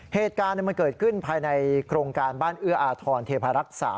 เหตุการณ์มันเกิดขึ้นภายในโครงการบ้านเอื้ออาทรเทพารักษา